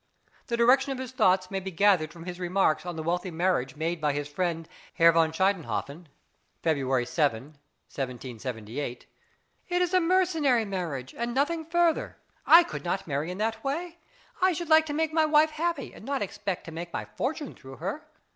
The direction of his thoughts {MOZART AND THE WEBERS.} (423) may be gathered from his remarks on the wealthy marriage made by his friend Herr von Schiedenhofen (February 7, 1778): It is a mercenary marriage, and nothing further. I would not marry in that way; I should like to make my wife happy, and not expect to make my fortune through her.